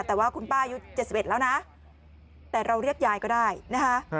แต่ว่าคุณป้าอายุ๗๑แล้วนะแต่เราเรียกยายก็ได้นะคะ